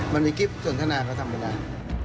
มันมีคลิปส่วนทนากระทั่งประมาณนั้น